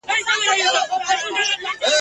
خره به هره ورځ ویل چي لویه خدایه ..